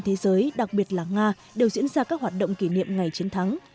năm này tại nhiều quốc gia trên thế giới đặc biệt là nga đều diễn ra các hoạt động kỷ niệm ngày chiến thắng